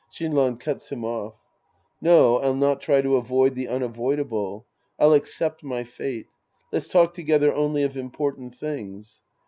Shinran cuts him off.) No. I'll not try to avoid the unavoidable. I'll accept my fate. Let's talk together only of important things.